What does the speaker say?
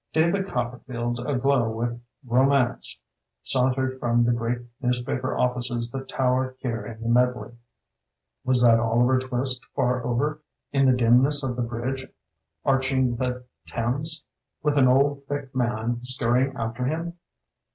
David Copperfields aglow with romance saun tered from the great newspaper offices that tower here in the medley. Was that Oliver Twist far over in the dim ness of the bridge arching the Thames, with an old thick man scurrying after him?